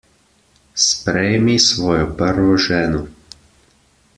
Sprejmi svojo prvo ženo.